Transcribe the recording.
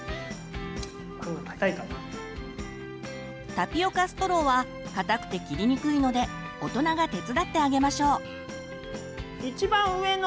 タピオカストローは硬くて切りにくいので大人が手伝ってあげましょう。